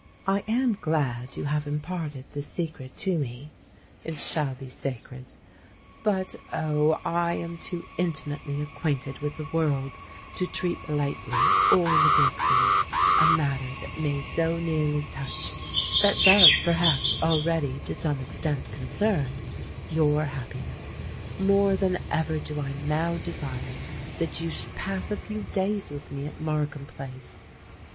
I am glad you have imparted this secret to me. It shall be sacred. But, oh! I am too intimately acquainted with the world to treat lightly or neglectfully a matter that may so nearly touch,—that does, perhaps, already to some extent concern,—your happiness; more than ever do I now desire that you should pass a few days with me at Markham Place.